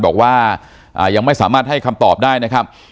บอกว่ายังไม่สามารถให้คำตอบได้นะครับ